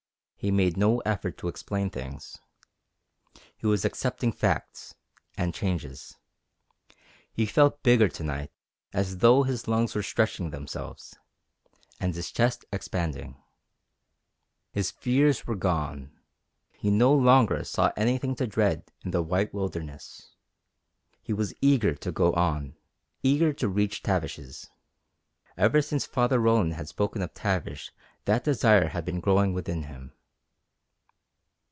He made no effort to explain things. He was accepting facts, and changes. He felt bigger to night, as though his lungs were stretching themselves, and his chest expanding. His fears were gone. He no longer saw anything to dread in the white wilderness. He was eager to go on, eager to reach Tavish's. Ever since Father Roland had spoken of Tavish that desire had been growing within him.